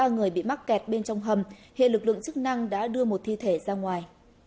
ba người bị mắc kẹt bên trong hầm hiện lực lượng chức năng đã đưa một thi thể ra ngoài